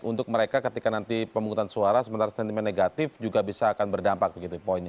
untuk mereka ketika nanti pemungutan suara sementara sentimen negatif juga bisa akan berdampak begitu poinnya